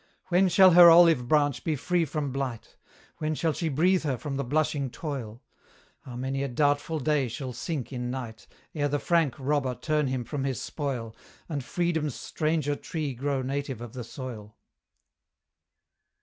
When shall her Olive Branch be free from blight? When shall she breathe her from the blushing toil? How many a doubtful day shall sink in night, Ere the Frank robber turn him from his spoil, And Freedom's stranger tree grow native of the soil?